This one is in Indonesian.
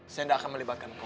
saya nggak akan melibatkan kau